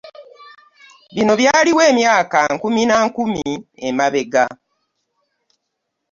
Bino byaliwo emyaka nkumi na nkumi emabega.